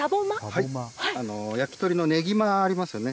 焼き鳥のネギマありますよね。